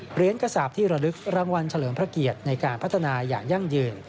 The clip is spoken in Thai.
เหรียญกระสาปที่ระลึกรางวัลเฉลิมพระเกียรติในการพัฒนาอย่างยั่งยืน